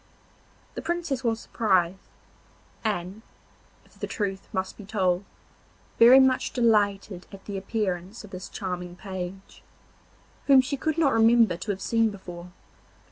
The Princess was surprised, and, if the truth must be told, very much delighted at the appearance of this charming page, whom she could not remember to have seen before.